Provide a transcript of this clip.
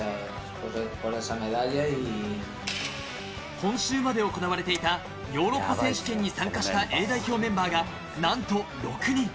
今週まで行われていたヨーロッパ選手権に参加したＡ代表メンバーがなんと６人。